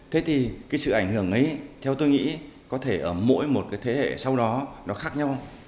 thế thì cái sự ảnh hưởng ấy theo tôi nghĩ có thể ở mỗi một cái thế hệ sau đó nó khác nhau